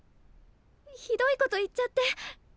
ひどいこと言っちゃってごめん。